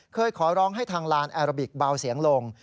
เคยขอร้องให้ทางลานแอราบิกเบาเสียงลง